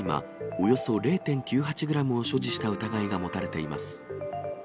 およそ０．９８グラムを所持した疑いが持たれています。